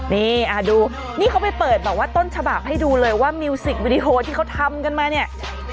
นี่ดูนี่เขาไปเปิดแบบว่าต้นฉบับให้ดูเลยว่ามิวสิกวิดีโอที่เขาทำกันมาเนี่ย